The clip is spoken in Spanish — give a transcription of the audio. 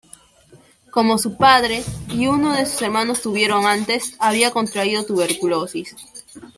Como su padre y uno de sus hermanos tuvieron antes, había contraído tuberculosis.